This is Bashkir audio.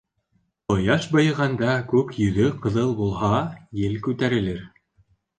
Ҡояш байығанда күк йөҙө ҡыҙыл булһа, ел күтәрелер.